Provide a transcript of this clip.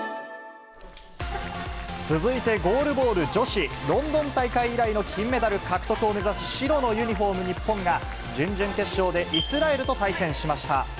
続いて、ゴールボール女子、ロンドン大会以来の金メダル獲得を目指す白のユニホーム、日本が準々決勝でイスラエルと対戦しました。